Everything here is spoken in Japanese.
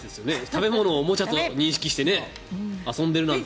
食べ物をおもちゃと認識して遊んでるなんて。